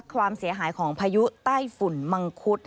ความเสียหายของพายุใต้ฝุ่นมังคุด